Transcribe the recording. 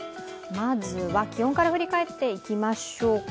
まずは気温から振り返っていきましょうか。